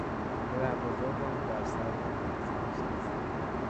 پدربزرگم در صدر میز نشست.